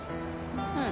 うん。